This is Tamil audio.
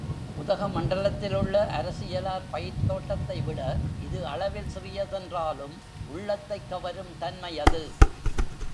உதகமண்டலத்திலுள்ள அரசியலார் பயிர்த் தோட்டத்தைவிட இது அளவில் சிறியதென்றாலும் உள்ளத்தைக் கவரும் தன்மையது.